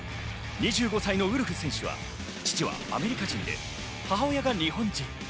２５歳のウルフ選手は父はアメリカ人で母親が日本人。